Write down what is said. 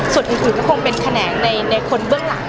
ส่วนอื่นก็คงเป็นแขนงในคนเบื้องหลัง